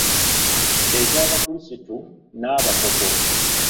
Ez'abakulisitu n’abapoto.